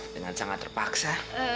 dengan sangat terpaksa